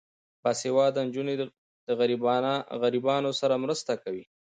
باسواده نجونې د غریبانو سره مرسته کوي.